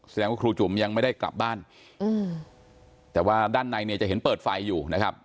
แสดงว่าครูจุ๋มยังไม่ได้กลับบ้านแต่ว่าด้านในเนี่ยจะเห็นเปิดไฟอยู่นะครับ